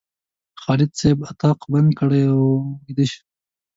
خالد صاحب اتاق بند کړی او ویده و.